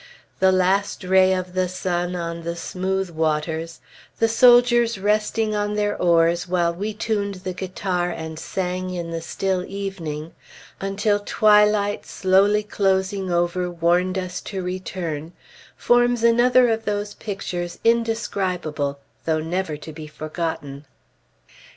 The last ray of the sun on the smooth waters; the soldiers resting on their oars while we tuned the guitar and sang in the still evening, until twilight, slowly closing over, warned us to return, forms another of those pictures indescribable though never to be forgotten.